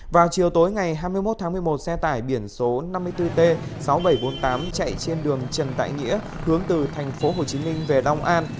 vào chiều tối ngày hai mươi một tháng một mươi một xe tải biển số năm mươi bốn t sáu nghìn bảy trăm bốn mươi tám chạy trên đường trần tại nghĩa hướng từ tp hcm về đông an